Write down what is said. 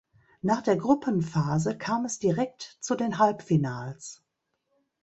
Nach der Gruppenphase kam es direkt zu den Halbfinals.